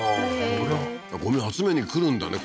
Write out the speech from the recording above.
本当だごみ集めに来るんだね